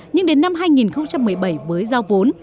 nhưng đến năm hai nghìn một mươi bảy mới giao vốn